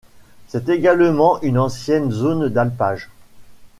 C'est également une ancienne zone d'alpages.